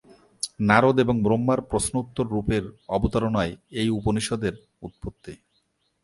নারদ এবং ব্রহ্মার প্রশ্নোত্তর রূপের অবতারণায় এই উপনিষদ্ এর উৎপত্তি।